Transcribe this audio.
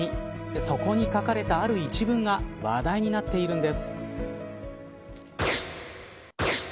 そこに書かれたある一文が話題になっているんです。